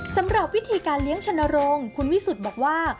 สำหรับวิธีการเลี้ยงชนรงค์คุณวิสุทธิ์บอกว่า